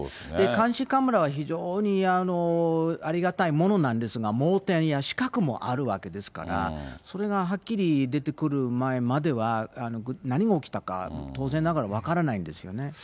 監視カメラは非常にありがたいものなんですが、盲点や死角もあるわけですから、それがはっきり出てくる前までは、何が起きたのか、当然ながら分からないんですよね。